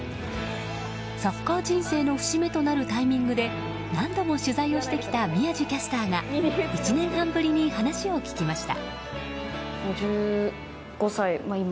サッカー人生の節目となるタイミングで何度も取材をしてきた宮司キャスターが１年半ぶりに話を聞きました。